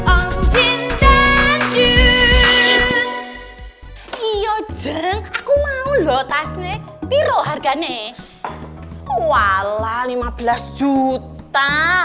om jisun yo grek aku mau lo tasnya biru harganya outlaid lima belas juta